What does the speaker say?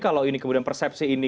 kalau ini kemudian persepsi ini